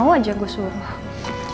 namanya juga seorang kakak elsa